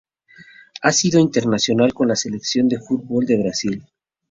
Ha sido internacional con la selección de fútbol de Brasil.